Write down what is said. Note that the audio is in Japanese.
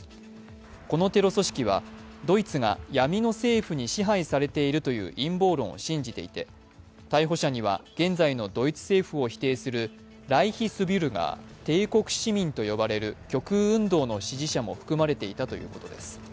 このテロ組織はドイツが闇の政府に支配されているという陰謀論を信じていて、逮捕者には現在のドイツ政府を否定するライヒスビュルガー＝帝国市民と呼ばれる極右運動の支持者も含まれていたということです。